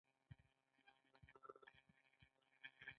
د افغانستان د اقتصادي پرمختګ لپاره پکار ده چې کارونه پیدا شي.